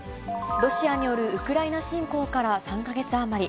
ロシアによるウクライナ侵攻から３か月余り。